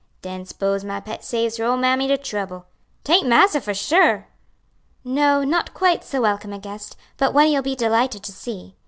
"Den 'spose my pet saves her ole mammy de trouble. 'Taint massa, for sure?" "No, not quite so welcome a guest; but one you'll be delighted to see. Mr.